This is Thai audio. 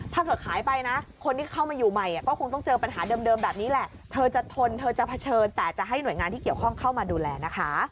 ถ้าเกิดขายไปนะคนเข้ามาอยู่ใหม่